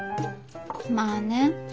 まあね。